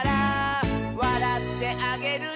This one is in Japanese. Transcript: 「わらってあげるね」